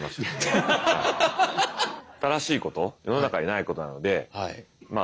新しいこと世の中にないことなのでまあ